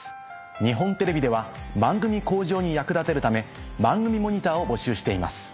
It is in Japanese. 日本テレビでは番組向上に役立てるため番組モニターを募集しています。